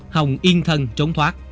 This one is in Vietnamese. hồng yên thân trốn thoát